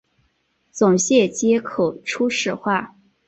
总线接口初始化